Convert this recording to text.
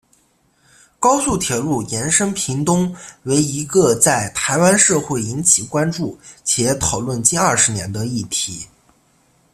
高速铁路延伸屏东为一个在台湾社会引起关注且讨论近二十年的议题。